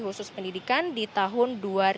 khusus pendidikan di tahun dua ribu